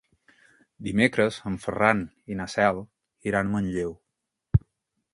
Dimecres en Ferran i na Cel iran a Manlleu.